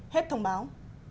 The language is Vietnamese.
hết thông báo